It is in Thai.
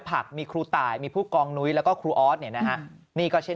ผักมีครูตายมีผู้กองนุ้ยแล้วก็ครูออสเนี่ยนะฮะนี่ก็เช่น